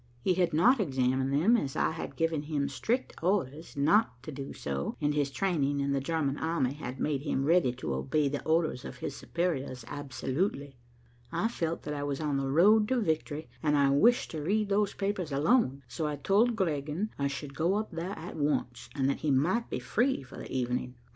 He had not examined them, as I had given him strict orders not to do so, and his training in the German army had made him ready to obey the orders of his superiors absolutely. I felt that I was on the road to victory, and I wished to read those papers alone, so I told Griegen I should go up there at once, and that he might be free for the evening.